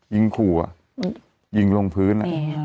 วิ่งขู่ยิงลงพื้น